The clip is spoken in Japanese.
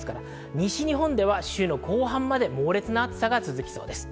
西日本では週の後半まで猛烈な暑さが続きそうです。